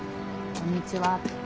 「こんにちは」って。